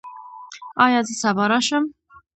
ایا زه سبا راشم؟